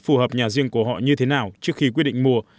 phù hợp nhà riêng của họ như thế nào trước khi quyết định mua